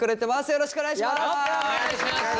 よろしくお願いします。